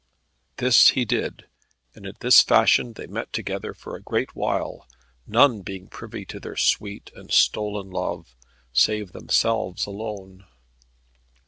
This he did, and in this fashion they met together for a great while, none being privy to their sweet and stolen love, save themselves alone.